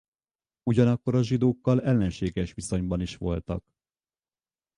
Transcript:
Ugyanakkor a zsidókkal ellenséges viszonyban is voltak.